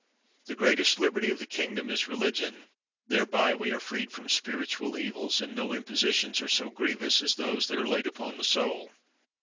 The greatest liberty of the kingdom is religion ; thereby we are freed from spiritual evils, and 51 THE WORLD'S FAMOUS ORATIONS no impositions are so grievous as those that are laid upon the soul.